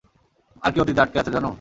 আর কে অতীতে আটকে আছে জানো?